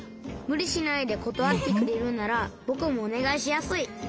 むりしないでことわってくれるならぼくもおねがいしやすい。